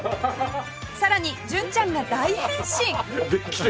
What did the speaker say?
さらに純ちゃんが大変身！